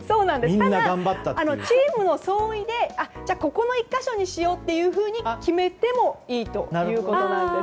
ただ、チームの総意でここの１か所にしようと決めてもいいということです。